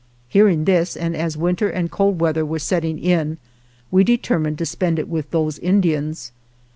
Hearing this, and as winter and cold weather were setting in, we determined to spend it with those In dians.